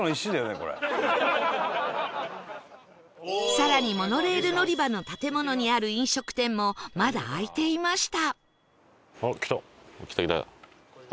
更にモノレール乗り場の建物にある飲食店もまだ開いていました